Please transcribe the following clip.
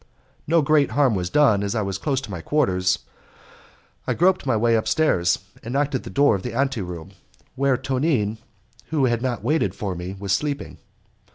No great harm was done, as I was close to my quarters. I groped my way upstairs and knocked at the door of the ante room, where Tonine, who had not waited for me, was sleeping.